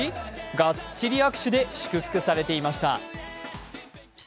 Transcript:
ガッチリ握手で祝福されていました。